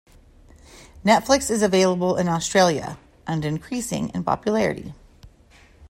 Netflix is available in Australia and increasing in popularity.